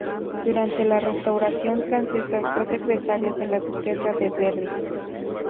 Durante la restauración francesa fue secretario de la duquesa de Berry.